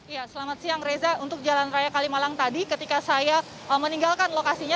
ya selamat siang reza untuk jalan raya kalimalang tadi ketika saya meninggalkan lokasinya